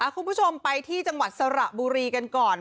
คุณผู้ชมไปที่จังหวัดสระบุรีกันก่อน